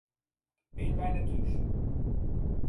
Wienen wy net thús?